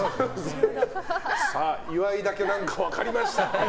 岩井だけ何かが分かりました。